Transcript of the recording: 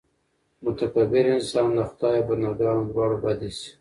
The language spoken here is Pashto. متکبر انسان د خدای او بندګانو دواړو بد اېسي.